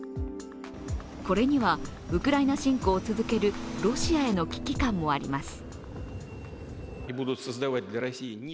これには、ウクライナ侵攻を続けるロシアへの危機感もあります。